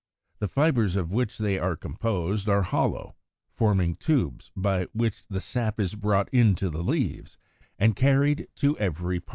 The fibres of which they are composed are hollow; forming tubes by which the sap is brought into the leaves and carried to every part.